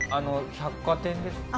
百貨店です。